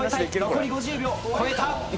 残り５０秒越えた。